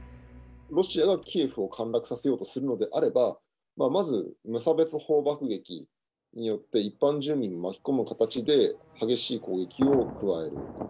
ロシアがキエフを陥落させようとするのであれば、まず無差別砲爆撃によって一般住民を巻き込む形で激しい攻撃を加える。